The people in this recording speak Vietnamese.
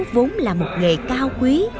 nghe giáo vốn là một nghề cao quý